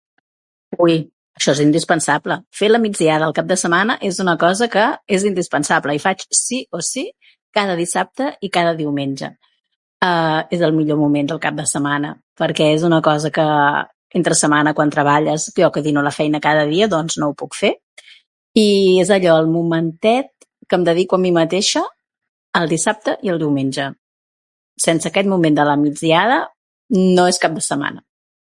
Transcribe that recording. Ui! Això és indispensable. Fer la migdiada el cap de setmana és una cosa que és indispensable i faig sí o sí cada dissabte i cada diumenge. Eh, és el millor moment del cap de setmana perquè és una cosa que entre setmana quan treballes, jo que dino a la feina, doncs no ho puc fer, i és allò, el momentet que em dedico a mi mateixa el dissabte i el diumenge. Sense aquest moment de la migdiada no és cap de setmana.